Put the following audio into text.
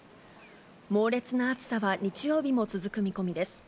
猛烈な暑さは日曜日も続く見込みです。